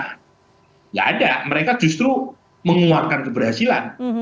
tidak ada mereka justru mengeluarkan keberhasilan